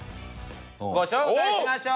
ご紹介しましょう。